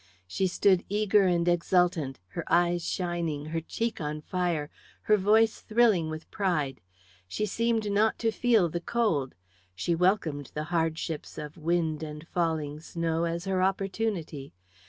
She stood eager and exultant, her eyes shining, her cheek on fire, her voice thrilling with pride. She seemed not to feel the cold. She welcomed the hardships of wind and falling snow as her opportunity.